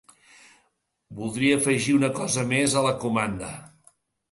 Voldria afegir una cosa mes a la comanda.